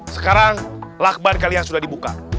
sekarang lakban kalian sudah dibuka